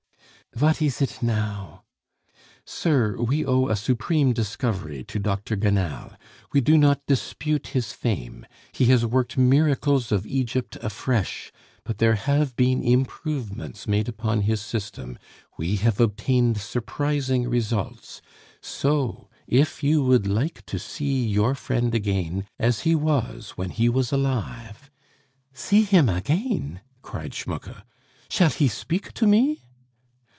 "Vat ees it now?" "Sir! we owe a supreme discovery to Dr. Gannal; we do not dispute his fame; he has worked miracles of Egypt afresh; but there have been improvements made upon his system. We have obtained surprising results. So, if you would like to see your friend again, as he was when he was alive " "See him again!" cried Schmucke. "Shall he speak to me?"